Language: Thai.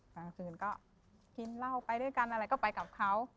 กลางคืนก็กินเหล้าไปด้วยกันอะไรก็ไปกับเขา